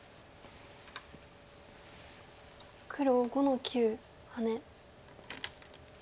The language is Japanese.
黒５の九ハネ。